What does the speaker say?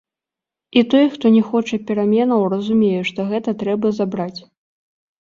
І той, хто не хоча пераменаў, разумее, што гэта трэба забраць.